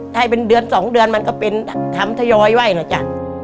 ถ้าให้เป็นเดือน๒เดือนมันก็เป็นทำทยอยไว้นะจ๊ะ